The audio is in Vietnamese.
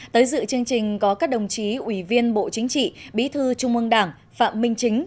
tới dự chương trình có các đồng chí ủy viên bộ chính trị bí thư trung ương đảng phạm minh chính